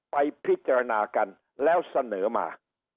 ไปพิจารณากันแล้วเสนอมา